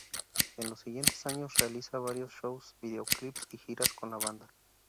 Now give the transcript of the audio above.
En los siguientes años realiza varios shows, videoclips, y giras con la banda.